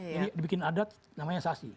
jadi dibikin adat namanya sasi